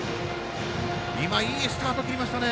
今、いいスタート切りましたね。